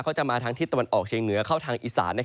จะมาทางทิศตะวันออกเชียงเหนือเข้าทางอีสาน